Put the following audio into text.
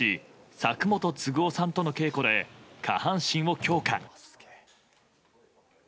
佐久本嗣男さんとの稽古で下半身を強化。